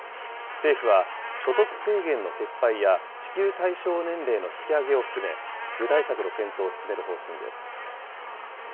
政府は、所得制限の撤廃や支給対象年齢の引き上げを含め、具体策の検討を進める方針です。